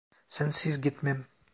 Sensiz gitmem.